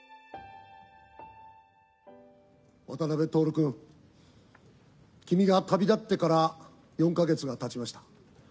渡辺徹君、君が旅立ってから４か月がたちました。